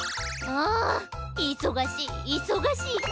あいそがしいいそがしい。